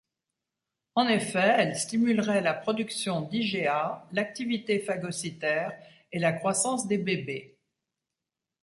En effet elle stimulerait la production d'IgA, l'activité phagocytaire et la croissance des bébés.